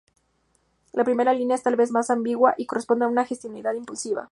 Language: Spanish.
La primera línea es tal vez más ambigua, y corresponde a una gestualidad, impulsiva.